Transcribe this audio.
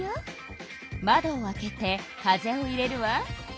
窓を開けて風を入れるわ。